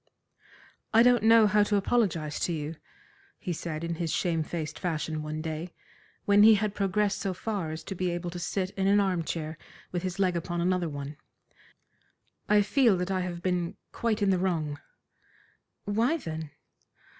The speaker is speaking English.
"I don't know how to apologise to you," he said in his shame faced fashion one day, when he had progressed so far as to be able to sit in an arm chair with his leg upon another one; "I feel that I have been quite in the wrong." "Why, then?"